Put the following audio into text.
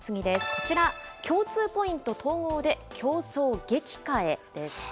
こちら、共通ポイント統合で競争激化へです。